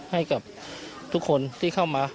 ให้กับทุกคนที่เข้ามา